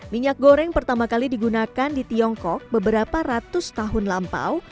minyak goreng pertama kali digunakan di tiongkok beberapa ratus tahun lampau